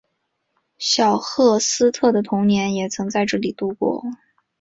小赫斯特的童年也曾在这里度过。